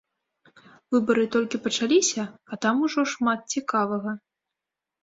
Выбары толькі пачаліся, а там ужо шмат цікавага!